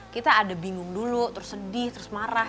kita ada bingung dulu terus sedih terus marah